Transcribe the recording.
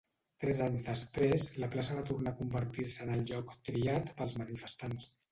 Tres anys després, la plaça va tornar a convertir-se en el lloc triat pels manifestants.